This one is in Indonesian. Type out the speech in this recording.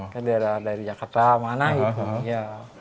kan daerah dari jakarta mana gitu